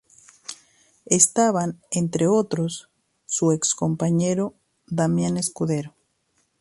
Estaban entre otros, su ex-compañero Damián Escudero.